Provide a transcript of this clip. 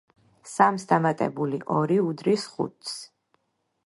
სამს დამატებული ორი უდრის ხუთს.